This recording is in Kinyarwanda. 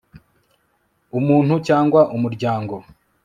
umuntu cyangwa umuryango